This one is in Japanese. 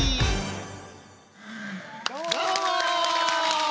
どうも！